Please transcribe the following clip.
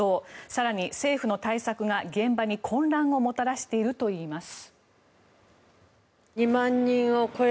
更に政府の対策が現場に混乱をもたらしているといいます。